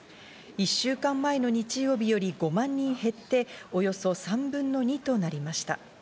１週間前の日曜日より５万人減って、およそ３分の２となりました。